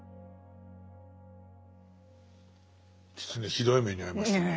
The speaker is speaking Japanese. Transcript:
狐ひどい目に遭いましたね。